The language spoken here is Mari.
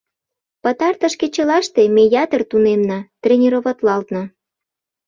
— Пытартыш кечылаште ме ятыр тунемна, тренироватлалтна.